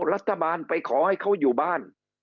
รัฐบาลไปขอให้เขาอยู่บ้าน